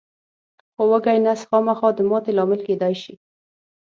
خو وږی نس خامخا د ماتې لامل کېدای شي.